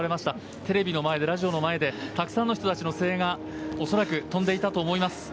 テレビの前で、ラジオの前でたくさんの人たちの声援が恐らく、飛んでいたと思います。